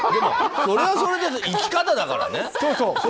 それはそれで生き方だからね。